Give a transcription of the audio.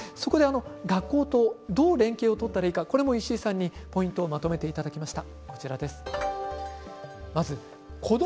学校とどう連携を取ったらいいか石井さんにポイントをまとめていただきました。